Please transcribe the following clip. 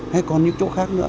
hay còn những chỗ khác nữa